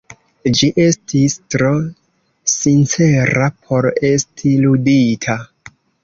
Ĝi estis tro sincera por esti ludita.